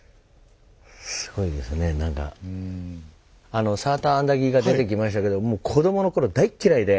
あのサーターアンダギーが出てきましたけど子どもの頃大っ嫌いで。